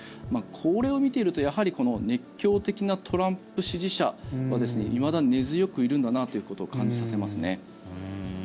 これを見ていると、やはり熱狂的なトランプ支持者はいまだ根強くいるんだなということを感じさせますね。